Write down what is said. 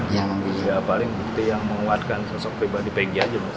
yang paling bukti yang menguatkan sosok viva di pg aja mas